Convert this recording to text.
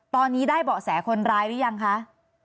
ตอนนี้ได้เบาะแสคนร้ายหรือยังคะ